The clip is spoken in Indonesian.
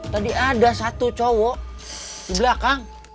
tadi ada satu cowok di belakang